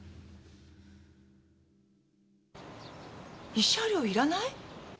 慰謝料いらない？